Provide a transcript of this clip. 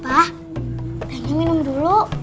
pak pengen minum dulu